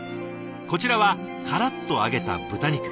こちらはからっと揚げた豚肉。